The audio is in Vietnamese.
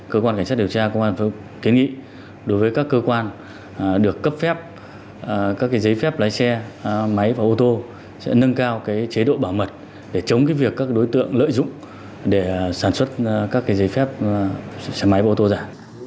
cơ quan cảnh sát điều tra cơ quan thông tin nội đề nghị đối với các cơ quan được cấp phép các giấy phép lái xe máy và ô tô sẽ nâng cao chế độ bảo mật để chống việc các đối tượng lợi dụng để sản xuất các giấy phép máy và ô tô giả